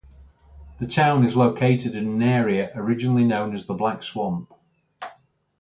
The town is located in an area originally known as the Black Swamp.